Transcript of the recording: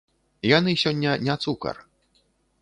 Яны сёння не цукар.